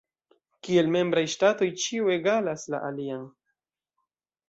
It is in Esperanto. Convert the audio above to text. Kiel membraj ŝtatoj, ĉiu egalas la alian.